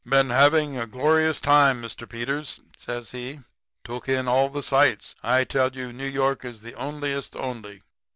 "'Been having a glorious time, Mr. Peters,' says he. 'Took in all the sights. I tell you New York is the onliest only.